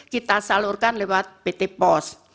kita salurkan lewat pt pos